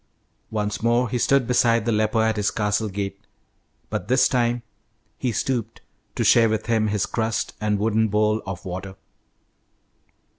Once more he stood beside the leper at his castle gate, but this time he stooped to share with him his crust and wooden bowl of water.